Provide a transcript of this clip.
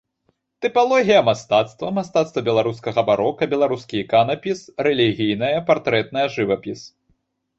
Тыпалогія мастацтва, мастацтва беларускага барока, беларускі іканапіс, рэлігійная, партрэтная жывапіс.